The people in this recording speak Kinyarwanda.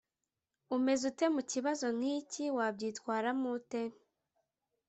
Umeze ute mu kibazo nk iki wabyitwaramo ute